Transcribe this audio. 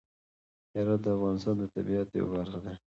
هرات د افغانستان د طبیعت یوه برخه ده.